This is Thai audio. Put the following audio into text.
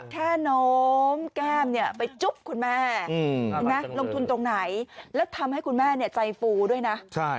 โน้มแก้มไปจุ๊บคุณแม่ลงทุนตรงไหนแล้วทำให้คุณแม่ใจฟูด้วยนะ